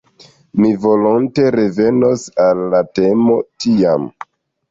Mi volonte revenos al la temo tiam.